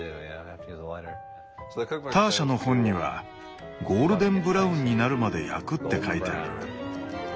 ターシャの本には「ゴールデンブラウンになるまで焼く」って書いてある。